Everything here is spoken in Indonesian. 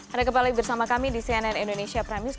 ada kembali bersama kami di cnn indonesia prime news